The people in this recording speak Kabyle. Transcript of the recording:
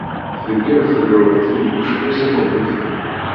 Tḍegger tegrudt ilellucen-is imaynuten.